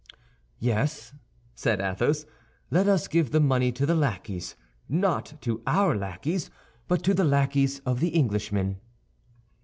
"Yes," said Athos; "let us give the money to the lackeys—not to our lackeys, but to the lackeys of the Englishmen."